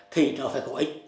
thì nó phải có ích